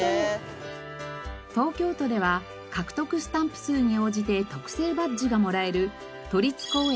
東京都では獲得スタンプ数に応じて特製バッジがもらえる都立公園